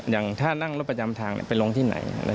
อย่างถ้านั่งรถประจำทางไปลงที่ไหน